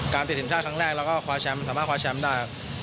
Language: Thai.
ติดทีมชาติครั้งแรกแล้วก็คว้าแชมป์สามารถคว้าแชมป์ได้ครับ